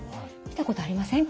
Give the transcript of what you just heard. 見たことありません